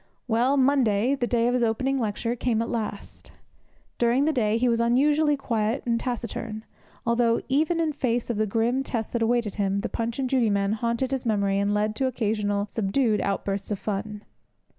Well, Monday the day of his opening lecture came at last. During the day he was unusually quiet and taciturn, although, even in face of the grim test that awaited him, the Punch and Judy men haunted his memory and led to occasional subdued outbursts of fun.